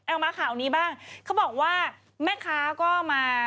เอามาข่าวนี้บ้างเขาบอกว่าแม่ค้าก็มา